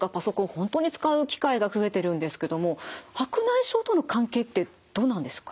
本当に使う機会が増えてるんですけども白内障との関係ってどうなんですか？